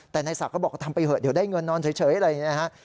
แต่นายศักดิ์ก็บอกว่าทำไปเถอะเดี๋ยวได้เงินนอนเฉยอะไรอย่างนี้นะฮะ